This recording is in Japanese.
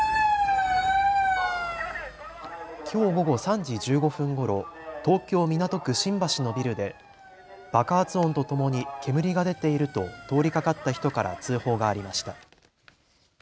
きょう午後３時１５分ごろ、東京港区新橋のビルで爆発音とともに煙が出ていると通りかかった人から通報がありました。